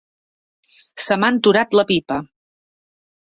Se m'ha enturat la pipa.